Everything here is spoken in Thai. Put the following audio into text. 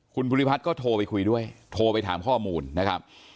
คุณภูริพัฒน์ก็โทรไปคุยด้วยโทรไปถามข้อมูลนะครับ